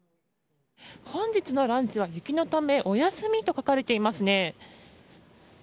本日のランチは雪のためお休みと書かれていますね。